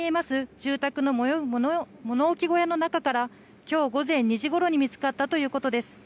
住宅の物置小屋の中からきょう午前２時ごろに見つかったということです。